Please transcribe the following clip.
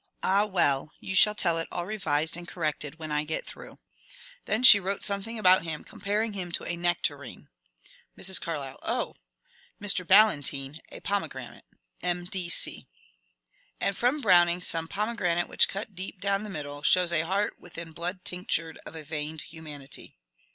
Ah well, you shall tell it all revised and cor rected when I get through. — Then she wrote something about him, comparing him to a nectarine. Mrs. Carlyle. Oh! Mr. Ballantyne. A pomegranate. M.D.C. And from Browning some pomeg^nate which cat deep down the middle. Shows a heart within blood tinctured of a veined humanity.